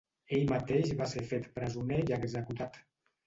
Ell mateix va ser fet presoner i executat.